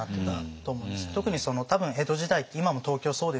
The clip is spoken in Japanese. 特に多分江戸時代って今も東京そうです